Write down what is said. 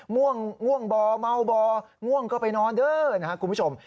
ง่วงบ่อเมาบ่อง่วงก็ไปนอนเด้อนะครับคุณผู้ชม